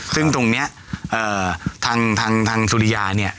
ซึ่งตรงนี้ทางสุริยาเนี่ย